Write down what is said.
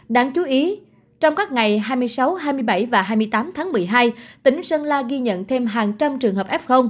đáng chú ý trong các ngày hai mươi sáu hai mươi bảy và hai mươi tám tháng một mươi hai tỉnh sơn la ghi nhận thêm hàng trăm trường hợp f